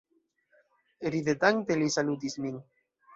Ridetante li salutis min.